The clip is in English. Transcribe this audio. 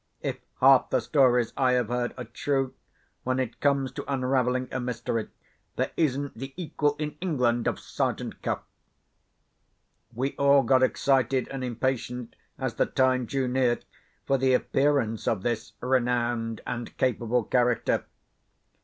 "If half the stories I have heard are true, when it comes to unravelling a mystery, there isn't the equal in England of Sergeant Cuff!" We all got excited and impatient as the time drew near for the appearance of this renowned and capable character.